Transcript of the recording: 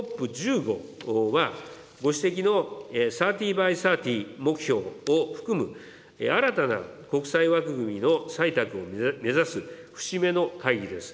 ＣＯＰ１５はご指摘のサーティ・バイ・サーティ目標を含む新たな国際枠組みの採択を目指す節目の会議です。